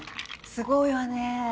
すごいわね。